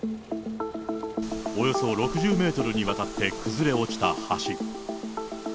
およそ６０メートルにわたって崩れ落ちた橋。